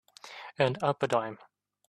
And up a dime.